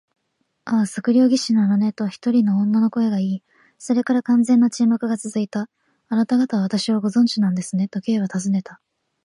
「ああ、測量技師なのね」と、一人の女の声がいい、それから完全な沈黙がつづいた。「あなたがたは私をご存じなんですね？」と、Ｋ はたずねた。